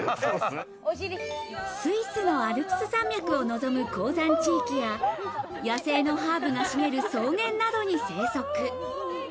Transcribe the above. スイスのアルプス山脈を望む高山地域や野生のハーブが茂る草原などに生息。